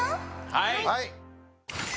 はい。